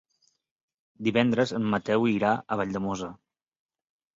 Divendres en Mateu irà a Valldemossa.